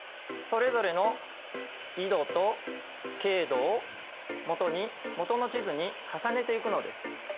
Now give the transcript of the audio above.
それぞれの緯度と経度をもとにもとの地図に重ねていくのです。